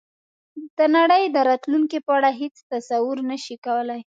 د نړۍ د راتلونکې په اړه هېڅ تصور نه شي کولای.